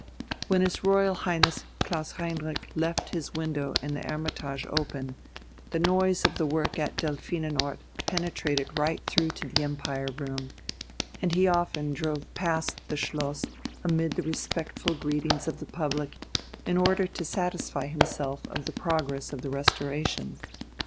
When his Royal Highness Klaus Heinrich left his window in the "Hermitage" open, the noise of the work at Delphinenort penetrated right through to the Empire room, and he often drove past the Schloss amid the respectful greetings of the public, in order to satisfy himself of the progress of the restoration.